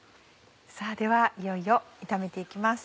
ではいよいよ炒めて行きます。